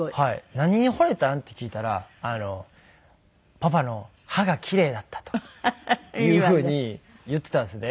「何にほれたん？」って聞いたら「パパの歯が奇麗だった」というふうに言っていたんですね。